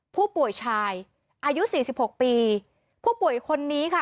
ผู้ป่วยชายอายุสี่สิบหกปีผู้ป่วยคนนี้ค่ะ